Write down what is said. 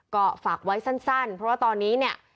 ก็ฝากไว้สั้นเพราะว่าตอนนี้เนี่ย